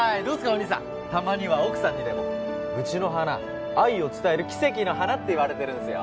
お兄さんたまには奥さんにでもうちの花愛を伝える奇跡の花って言われてるんすよ